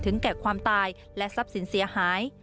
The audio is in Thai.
แกะความตายและทรัพย์สินเสียหาย